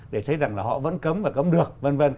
để thấy rằng là họ vẫn cấm và cấm được